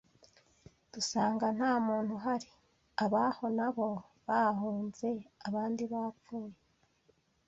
dusanga nta muntu uhari abaho nabo bahunze abandi bapfuye